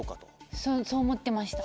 そう思ってました。